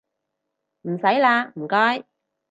唔使喇唔該